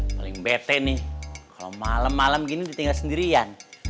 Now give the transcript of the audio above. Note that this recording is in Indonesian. paling bete nih kalo malem malem gini ditinggal sendirian